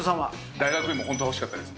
大学芋、本当は欲しかったんです。